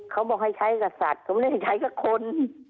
เขาบอกให้ใช้กับสัตว์เขาไม่ได้ใช้สักคน